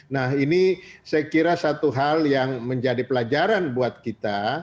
nah ini saya kira satu hal yang menjadi pelajaran buat kita